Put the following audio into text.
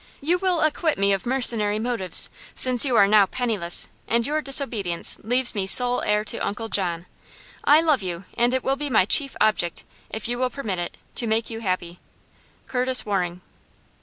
You will acquit me of mercenary motives, since you are now penniless, and your disobedience leaves me sole heir to Uncle John. I love you, and it will be my chief object, if you will permit it, to make you happy. "Curtis Waring."